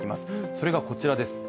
それがこちらです。